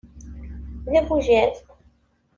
D abujad.